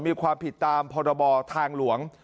มีความผิดตามพรบทางหลวง